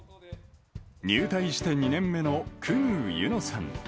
入隊して２年目の久々宇邑乃さん